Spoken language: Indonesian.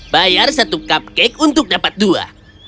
bayar satu cupcake untuk dapat dua